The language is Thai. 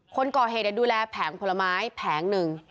คนก่อเหตุดูแลแผงผลไม้แผงหนึ่ง